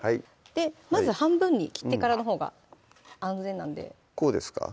まず半分に切ってからのほうが安全なんでこうですか